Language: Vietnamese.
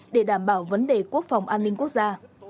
để đảm bảo vấn đề quốc phòng an ninh quốc gia